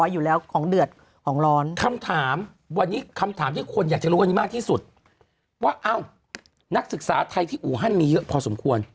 ๖๐คนแล้วก็มีคนไทยที่ยังอูบอยู่